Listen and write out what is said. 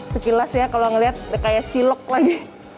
sekilas ya kalau ngeliat kayak cilok lagi